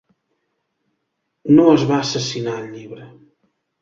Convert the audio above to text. No es va assassinar el llibre.